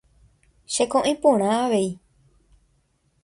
Cheko'ẽ porã avei.